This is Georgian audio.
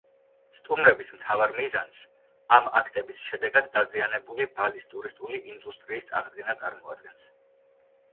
სტუმრების მთავარ მიზანს ამ აქტების შედეგად დაზიანებული ბალის ტურისტული ინდუსტრიის აღდგენა წარმოადგენს.